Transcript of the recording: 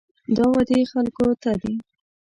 دا وعدې خلکو ته دي.